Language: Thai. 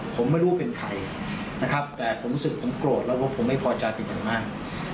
ผมไม่รู้เป็นใครนะครับแต่ผมรู้สึกผมโกรธแล้วรถผมไม่พอใจเป็นอย่างมาก